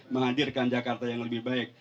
menghadirkan jakarta yang lebih baik